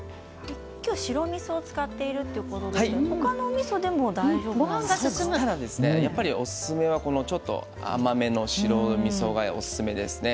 今日は白みそを使っているということですがやっぱりおすすめはちょっと甘めの白みそがおすすめですね。